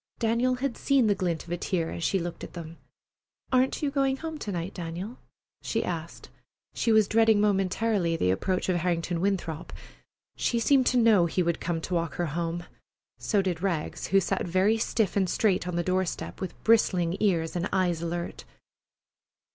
Daniel had seen the glint of a tear as she looked at them. "Aren't you going home to night, Daniel?" she asked. She was dreading momentarily the approach of Harrington Winthrop. She seemed to know he would come to walk home with her. So did Rags, who sat very stiff and straight on the door step, with bristling ears and eyes alert.